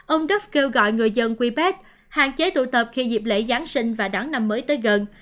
ông dove kêu gọi người dân quebec hạn chế tụ tập khi dịp lễ giáng sinh và đáng năm mới tới gần